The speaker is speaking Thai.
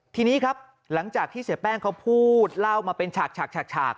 ทีนี้ครับหลังจากที่เสียแป้งเขาพูดเล่ามาเป็นฉาก